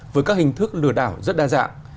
với các hình thức lừa đảo rất đa dạng